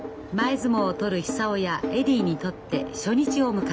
相撲を取る久男やエディにとって初日を迎えました。